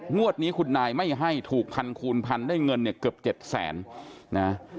งวดนี้คุณนายไม่ให้ถูกพันคูณพันได้เงินเนี่ยเกือบ๗แสนนะ